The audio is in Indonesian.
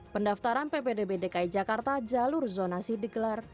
pendaftaran ppdb dki jakarta jalur zonasi digelar